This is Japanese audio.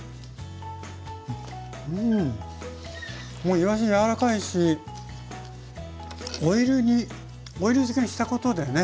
うんもういわし柔らかいしオイル煮オイル漬けにしたことでね